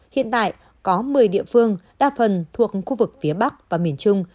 hiện tại có một mươi địa phương đa phần thuộc khu vực phía bắc và miền trung